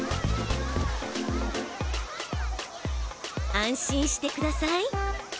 安心してください。